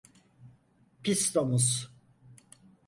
Pis domuz!